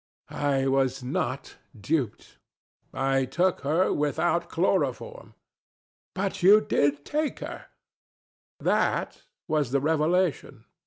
I was not duped: I took her without chloroform. ANA. But you did take her. DON JUAN. That was the revelation.